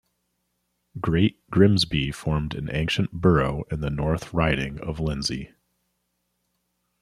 Great Grimsby formed an ancient Borough in the North Riding of Lindsey.